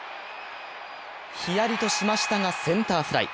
ヒヤリとしましたが、センターフライ。